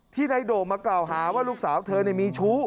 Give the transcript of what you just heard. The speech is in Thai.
ที่ในโดกมากล่าวหาว่าลูกสาวเธอมีชู้